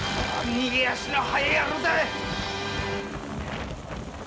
逃げ足の速い野郎だ！